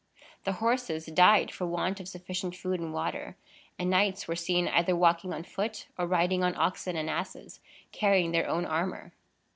The horses died for want of sufficient food and water; and knights were seen either walking on foot, or riding on oxen and asses, carrying their own armor.